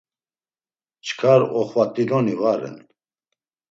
Çkar oxvaktinoni va ren.